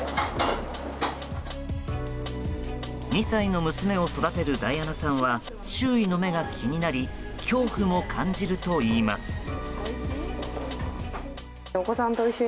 ２歳の娘を育てるダイアナさんは周囲の目が気になり恐怖を感じるといいます。